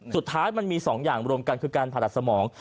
สุดท้ายมันมี๒อย่างรวมกันคือการผ่าตัดสมอง